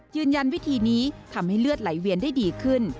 ยืนยันวิธีนี้ทำให้เลือดไหลเวียนได้ดีขึ้น